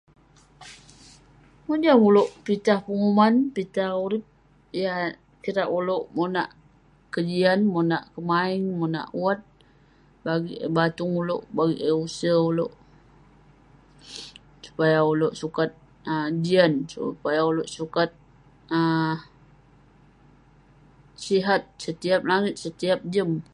Mojam ulouk pitah penguman, pitah urip yah kirak ulouk monak kejian, monak kemaeng, monak wat bagik eh batung ulouk, bagik eh use ulouk. Supaya ulouk um sukat jian, supaya ulouk sukat um sihat setiap langit, setiap jem.